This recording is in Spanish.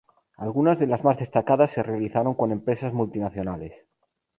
Algunas de las más destacadas se realizaron con empresas multinacionales.